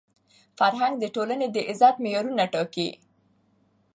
فرهنګ د ټولني د عزت معیارونه ټاکي.